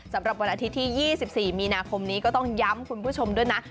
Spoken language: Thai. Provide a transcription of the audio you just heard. สำหรับวันอาทิตย์ที่๒๔มีนาคมนี้ก็ต้องย้ำคุณผู้ชมด้วยนะ